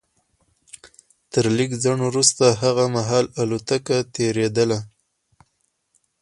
تر لږ ځنډ وروسته هغه مهال الوتکه تېرېدله